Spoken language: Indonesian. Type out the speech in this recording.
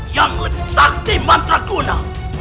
yang lebih sakti mantrakuna